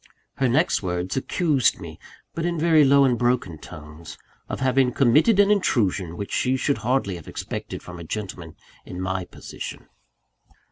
Her next words accused me but in very low and broken tones of having committed an intrusion which she should hardly have expected from a gentleman in my position.